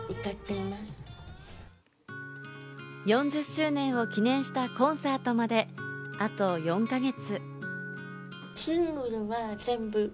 ４０周年を記念したコンサートまであと４か月。